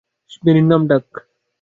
ম্যারির ডাক নাম।